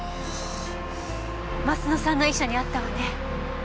鱒乃さんの遺書にあったわね。